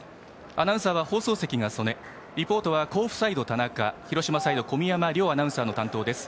アナウンサーは放送席が曽根リポートは甲府サイド、田中広島サイド、小宮山両アナウンサーの担当です。